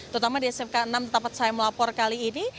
terutama di smk enam tempat saya melapor kali ini